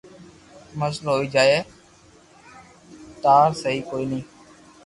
مسئلو ھوئي جائين ٽار سھي ڪوئي ني